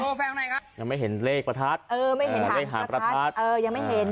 ยังไม่เห็นเลขประทัดเออไม่เห็นหาประทัดเออยังไม่เห็น